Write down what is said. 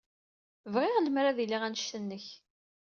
Bɣiɣ lemmer ad iliɣ anect-nnek.